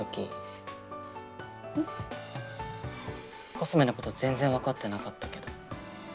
コスメのこと全然分かってなかったけど。